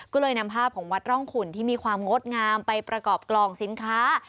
ก็เลยนำภาพของวัดร่องขุนที่มีความงดงามไปประกอบกล่องสินค้า